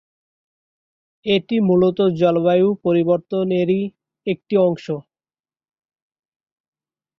এটি মূলত জলবায়ু পরিবর্তন এরই একটি অংশ।